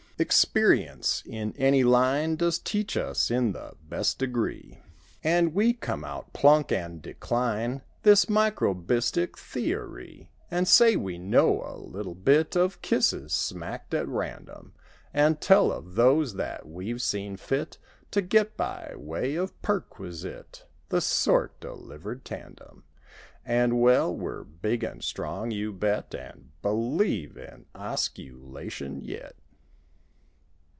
Experience in any line Does teach us in the best degree; 58 And we come out plunk, and decline This microbistic theory; And say we know a little bit Of kisses smacked at random ; And tell of those that we've seen fit To get by way of perquisite (The sort delivered tandem), And—well, we're big and strong, you bet. And b'lieve in osculation yet.